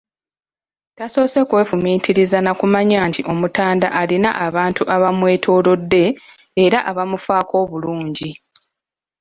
Tasoose kwefumiitiriza na kumanya nti Omutanda alina abantu abamwetoolodde era abamufaako obulungi.